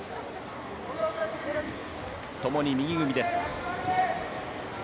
共に右組みです。